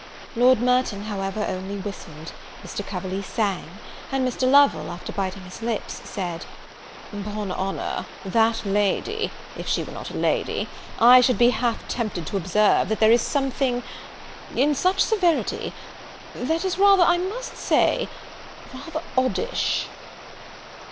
Lord Merton, however, only whistled; Mr. Coverley sang; and Mr. Lovel, after biting his lips, said "'Pon honour, that lady if she was not a lady I should be half tempted to observe, that there is something, in such severity, that is rather, I must say, rather oddish."